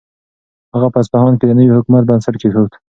هغه په اصفهان کې د نوي حکومت بنسټ کېښود.